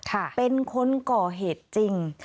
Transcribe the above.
เป็นคนก่อเหตุจริง